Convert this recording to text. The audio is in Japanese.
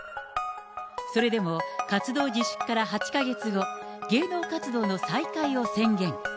それでも活動自粛から８か月後、芸能活動の再開を宣言。